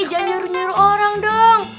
jangan nyuruh nyaruh orang dong